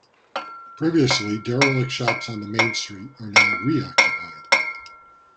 Previously derelict shops on the main street are now reoccupied.